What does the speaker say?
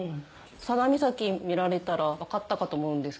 佐田岬見られたら分かったかと思うんですけど